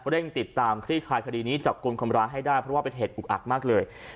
เร่งติดตามคลี่คลายคดีนี้จับกลุ่มคนร้ายให้ได้เพราะว่าเป็นเหตุอุกอักมากเลย